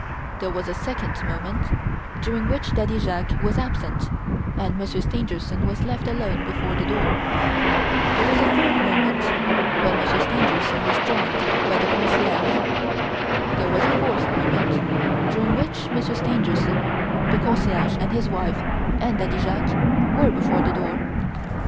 There was the second moment, during which Daddy Jacques was absent and Monsieur Stangerson was left alone before the door. There was a third moment, when Monsieur Stangerson was joined by the concierge. There was a fourth moment, during which Monsieur Stangerson, the concierge and his wife and Daddy Jacques were before the door.